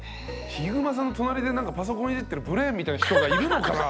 ひぐまさんの隣でパソコンいじってるブレーンみたいな人がいるのかな？